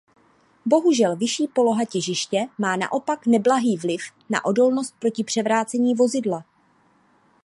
Bohužel vyšší poloha těžiště má naopak neblahý vliv na odolnost proti převrácení vozidla.